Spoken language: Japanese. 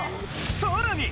さらに！